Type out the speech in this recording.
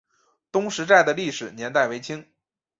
东石寨的历史年代为清。